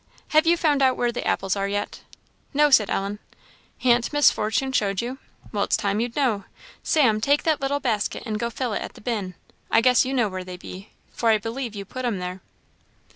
Have you found out where the apples are, yet?" "No," said Ellen. "Han't Miss Fortune showed you? Well, it's time you'd know. Sam, take that little basket and go fill it at the bin; I guess you know where they be, for I believe you put 'em there."